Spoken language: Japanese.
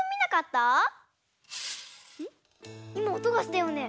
いまおとがしたよね。